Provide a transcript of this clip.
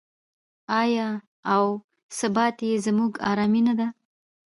آیا او ثبات یې زموږ ارامي نه ده؟